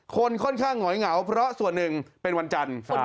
คนค่อนข้างหงอยเหงาเพราะส่วนหนึ่งเป็นวันจันทร์